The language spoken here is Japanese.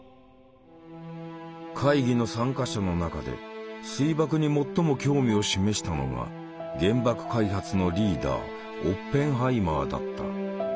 会議の参加者の中で水爆に最も興味を示したのが原爆開発のリーダーオッペンハイマーだった。